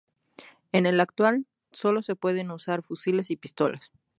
En el actual solo se pueden usar fusiles y pistolas.